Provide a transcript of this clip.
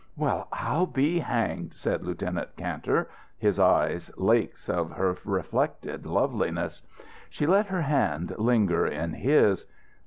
"Well, I I'll be hanged!" said Lieutenant Kantor, his eyes lakes of her reflected loveliness. She let her hand linger in his.